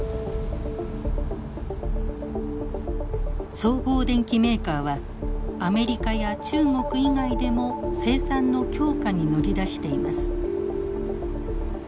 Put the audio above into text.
総合電機メーカーはアメリカや中国以外でも生産の強化に乗り出しています。